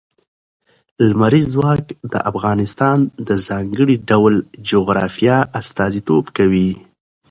لمریز ځواک د افغانستان د ځانګړي ډول جغرافیه استازیتوب کوي.